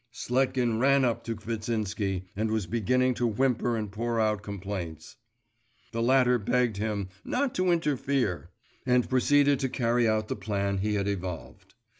Sletkin ran up to Kvitsinsky and was beginning to whimper and pour out complaints.… The latter begged him 'not to interfere,' and proceeded to carry out the plan he had evolved.